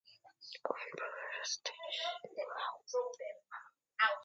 Owen provided stage know-how.